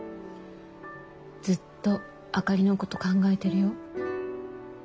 ずっとあかりのこと考えてるよ。